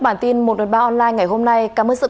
bản tin một ba online ngày hôm nay